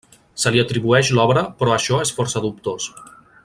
Se li atribueix l'obra però això és força dubtós.